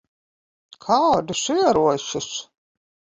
Kādus ieročus?